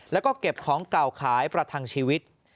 แล้วก็เก็บของเก่าขายประทังชีวิต